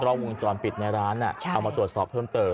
กล้องวงจรปิดในร้านเอามาตรวจสอบเพิ่มเติม